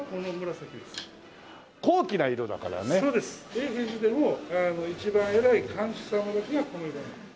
永平寺でも一番偉い貫首様だけがこの色なんです。